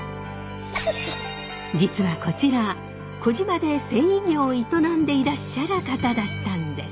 実はこちら児島で繊維業を営んでいらっしゃる方だったんです！